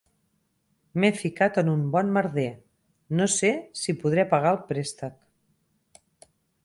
M'he ficat en un bon merder, no sé si podré pagar el préstec.